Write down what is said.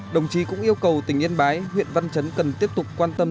đồng chí cũng yêu cầu tỉnh yên bái huyện văn chấn cần tiếp tục quan tâm